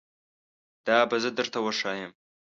دا به زه درته وښایم